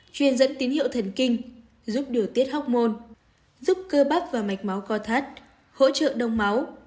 truyền dẫn tín hiệu thần kinh giúp điều tiết học môn giúp cơ bắp và mạch máu co thắt hỗ trợ đông máu